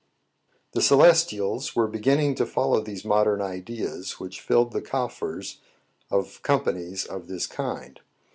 The Celestials were beginning to follow these modern ideas which filled the coffers of com panies of this kind.